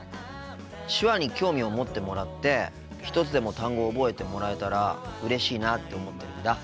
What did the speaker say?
手話に興味を持ってもらって一つでも単語を覚えてもらえたらうれしいなって思ってるんだ。